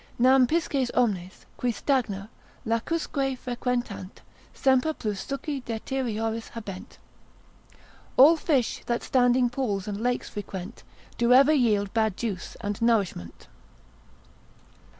Nam pisces omnes, qui stagna, lacusque frequentant, Semper plus succi deterioris habent. All fish, that standing pools, and lakes frequent, Do ever yield bad juice and nourishment.